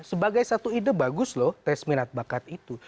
sebagai satu ide bagus loh tes minat bakat itu